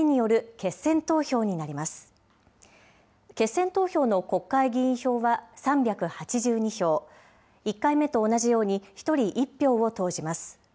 決選投票の国会議員票は３８２票、１回目と同じように、１人１票を投じます。